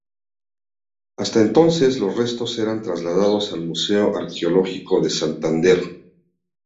Hasta entonces, los restos eran trasladados al Museo Arqueológico de Santander.